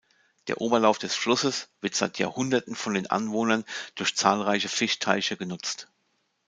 Der Oberlauf des Flusses wird seit Jahrhunderten von den Anwohnern durch zahlreiche Fischteiche genutzt.